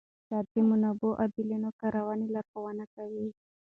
اقتصاد د منابعو عادلانه کارونې لارښوونه کوي.